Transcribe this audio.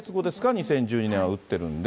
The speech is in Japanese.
２０１２年はうってるんで。